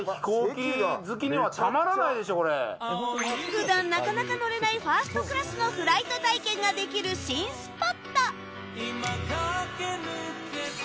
普段なかなか乗れないファーストクラスのフライト体験ができる新スポット